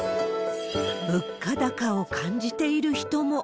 物価高を感じている人も。